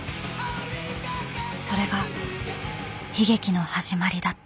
それが悲劇の始まりだった。